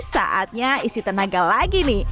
saatnya isi tenaga lagi nih